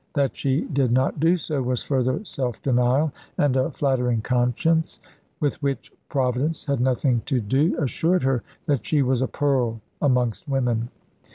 That she did not do so was further self denial and a flattering conscience, with which Providence had nothing to do, assured her that she was a pearl amongst women.